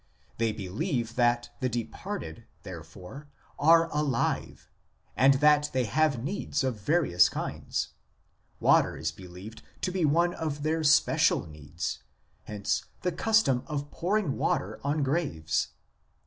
They believe that the departed, therefore, are alive, and that they have needs of various kinds ; water is believed to be one of their special needs, hence the custom of pouring water on graves.